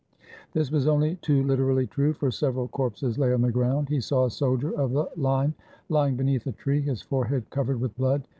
This was only too Kterally true, for several corpses lay on the ground. He saw a soldier of the line lying beneath a tree, his forehead cov ered with blood.